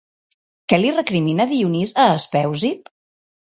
Què li recrimina Dionís a Espeusip?